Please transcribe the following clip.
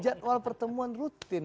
jadwal pertemuan rutin